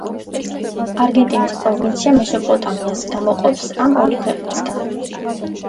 არგენტინის პროვინცია მესოპოტამიას გამოყოფს ამ ორი ქვეყნისგან.